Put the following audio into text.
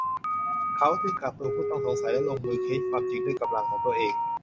เขาจึงกักตัวผู้ต้องสงสัยและลงมือเค้นความจริงด้วยกำลังของตัวเอง